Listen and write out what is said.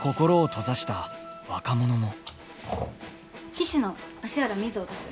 騎手の芦原瑞穂です。